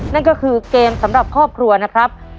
นั่นก็คือเกมสำหรับครอบครัวนะครับ